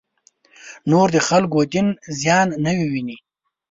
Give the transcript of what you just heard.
نور د خلکو دین زیان نه وویني.